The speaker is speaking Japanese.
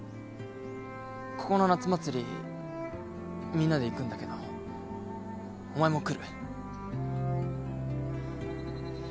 ここの夏祭りみんなで行くんだけどお前も来る？